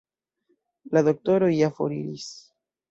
La doktoroj ja foriris.